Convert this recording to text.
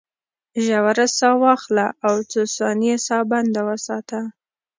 ژوره ساه واخله او څو ثانیې ساه بنده وساته.